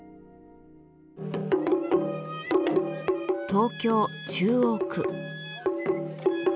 東京・中央区。